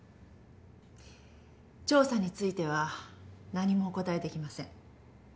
調査については何もお答えできません。